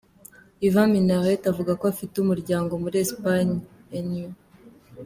Ivan Minnaert avuga ko afite umuryango muri Espagne n’u